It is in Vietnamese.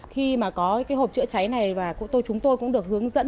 khi mà có cái hộp chữa cháy này và chúng tôi cũng được hướng dẫn